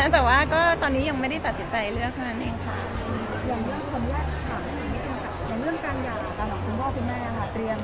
แต่ว่าก็ตอนนี้ยังไม่ได้ตัดสินใจเลือกเท่านั้นเองค่ะ